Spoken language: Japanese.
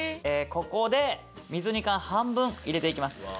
ここで水煮缶半分入れていきます。